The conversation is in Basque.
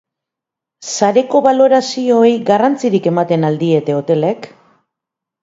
Sareko balorazioei garrantzirik ematen al diete hotelek?